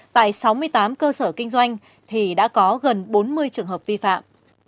tại sáu mươi tám cơ sở kinh doanh thì đã có gần bốn mươi trường hợp vi phạm